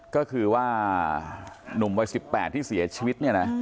ก็คือว่าหนุ่มวัย๑๘ที่เสียชีวิตเนี่ยนะ